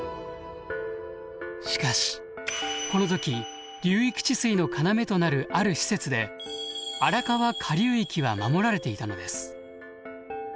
しかしこの時流域治水の要となるある施設で荒川下流域は守られていたのです。